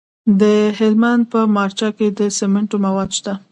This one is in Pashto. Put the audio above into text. د هلمند په مارجه کې د سمنټو مواد شته.